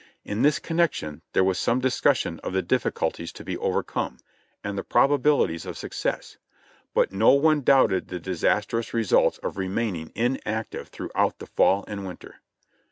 In this connection there was some discus sion of the difficulties to be overcome, and the probabilities of success, but no one doubted the disastrous results of remaining in active throughout the fall and winter.